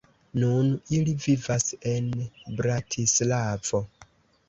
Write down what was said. Nun ili vivas en Bratislavo.